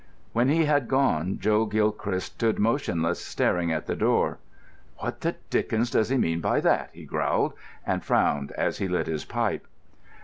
When he had gone Joe Gilchrist stood motionless, staring at the door. "What the dickens does he mean by that?" he growled, and frowned as he lit his pipe.